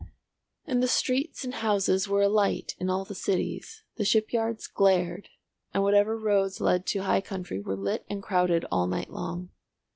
And the streets and houses were alight in all the cities, the shipyards glared, and whatever roads led to high country were lit and crowded all night long.